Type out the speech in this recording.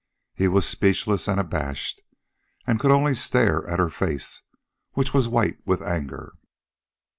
He was speechless and abashed, and could only stare at her face, which was white with anger.